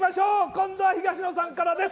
今度は東野さんからです。